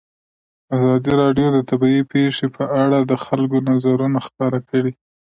ازادي راډیو د طبیعي پېښې په اړه د خلکو نظرونه خپاره کړي.